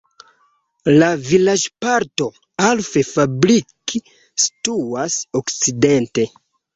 La vilaĝparto Alf-Fabrik situas okcidente.